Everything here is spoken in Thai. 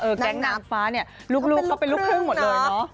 สูตรแก๊งงามฟ้าเนี่ยเลิกเขาเป็นรูปครึ่งหมดเลยเนาะ